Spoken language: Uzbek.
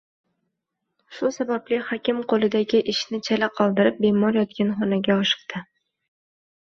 Shu sababli hakim qo`lidagi ishini chala qoldirib, bemor yotgan xonaga oshiqdi